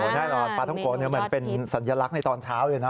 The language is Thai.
แน่นอนปลาท้องโกะเหมือนเป็นสัญลักษณ์ในตอนเช้าเลยนะ